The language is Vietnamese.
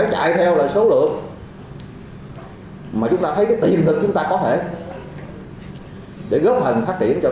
chỉ theo lời số lượng mà chúng ta thấy cái tiền thực chúng ta có thể để góp hành phát triển cho